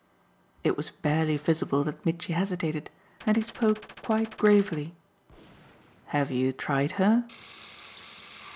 It was barely visible that Mitchy hesitated, and he spoke quite gravely. "Have you tried her?"